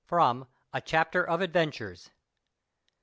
* *FROM "A CHAPTER OF ADVENTURES."